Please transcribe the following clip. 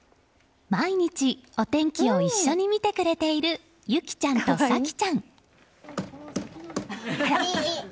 毎日、お天気を一緒に見てくれている結希ちゃんと咲希ちゃん。